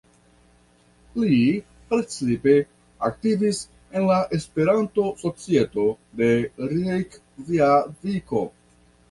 Li precipe aktivis en la Esperanto-societo de Rejkjaviko.